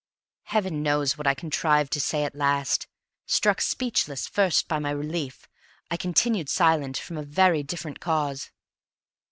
Heaven knows what I contrived to say at last. Struck speechless first by my relief, I continued silent from a very different cause.